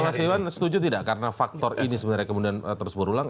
mas iwan setuju tidak karena faktor ini sebenarnya kemudian terus berulang